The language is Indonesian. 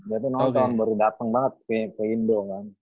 dia tuh tahun baru dateng banget ke indo kan